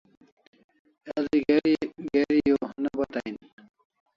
El'i geri o ne bata en